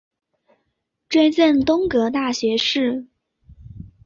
追赠东阁大学士。